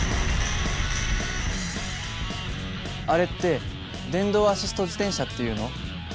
あれって電動アシスト自転車っていうの？